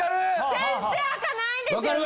全然開かないんですよね！